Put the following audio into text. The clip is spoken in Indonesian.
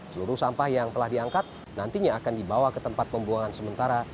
seluruh sampah yang telah diangkat nantinya akan dibawa ke tempat pembuangan sementara